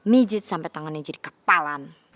mijit sampai tangannya jadi kepalan